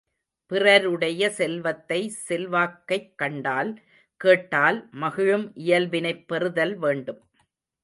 பிறருடைய செல்வத்தை, செல்வாக்கைக் கண்டால், கேட்டால் மகிழும் இயல்பினைப் பெறுதல் வேண்டும்.